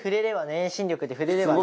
遠心力で振れればね。